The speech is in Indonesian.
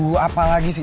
kita bisa ibukan gitu sih